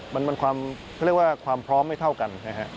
มันเป็นความพร้อมไม่เท่ากัน